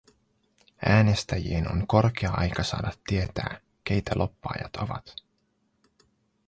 Äänestäjien on korkea aika saada tietää, keitä lobbaajat ovat.